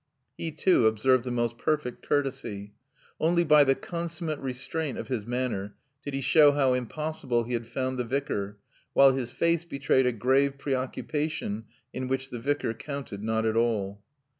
He too observed the most perfect courtesy. Only by the consummate restraint of his manner did he show how impossible he had found the Vicar, while his face betrayed a grave preoccupation in which the Vicar counted not at all.